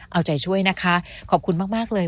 เอาใจช่วยนะคะขอบคุณมากเลย